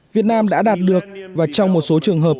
việt nam đã đạt được và trong một số trường hợp